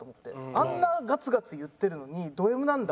あんなガツガツ言ってるのにドＭなんだ。